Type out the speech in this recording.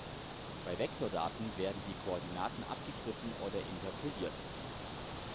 Bei Vektordaten werden die Koordinaten abgegriffen oder interpoliert.